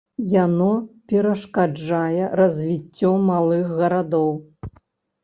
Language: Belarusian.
Яно перашкаджае развіццё малых гарадоў.